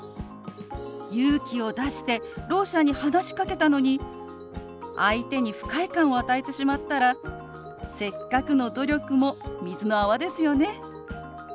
勇気を出してろう者に話しかけたのに相手に不快感を与えてしまったらせっかくの努力も水の泡ですよね。